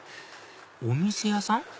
お店屋さん？